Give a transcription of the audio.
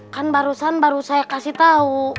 kan barusan baru saya kasih tahu